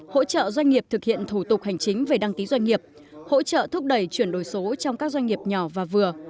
hỗ trợ doanh nghiệp thực hiện thủ tục hành chính về đăng ký doanh nghiệp hỗ trợ thúc đẩy chuyển đổi số trong các doanh nghiệp nhỏ và vừa